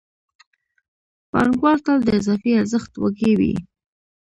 پانګوال تل د اضافي ارزښت وږی وي